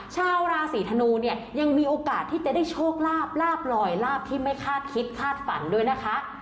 ชาวราศีธนูเนี่ยยังมีโอกาสที่จะได้โชคลาบลาบลอยลาบที่ไม่คาดคิดคาดฝันด้วยนะคะ